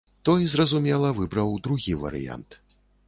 Той, зразумела, выбраў другі варыянт.